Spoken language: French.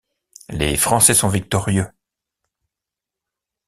Les Français sont victorieux.